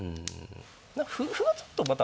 歩はちょっとまた。